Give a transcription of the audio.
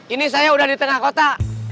ini saya udah di tengah kota